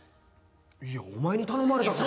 いやお前に頼まれたから。